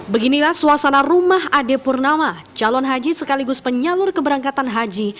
beginilah suasana rumah ade purnama calon haji sekaligus penyalur keberangkatan haji